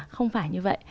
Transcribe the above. không phải như vậy